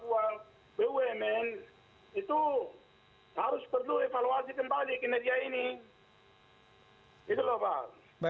terima kasih pak